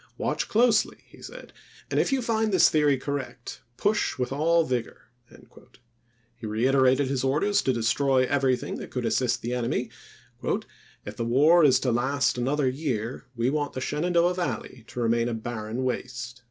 Watch closely," he said, "and if you find this theory correct, push with all vigor." He reiterated his orders to destroy everything that could assist the enemy, "If the PshenaS?e war is to last another year, we want the Shenan iey," p. ho. doah Valley to remain a barren waste."